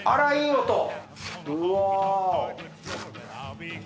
うわ。